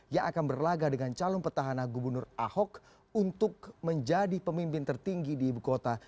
yang akan berlaga dengan calon petahana gubernur ahok untuk menjadi pemimpin tertinggi di ibu kota